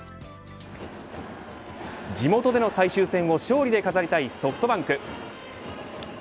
地元での最終戦を勝利で飾りたいソフトバンク。